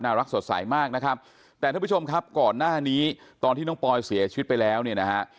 รักสดใสมากนะครับแต่ท่านผู้ชมครับก่อนหน้านี้ตอนที่น้องปอยเสียชีวิตไปแล้วเนี่ยนะฮะ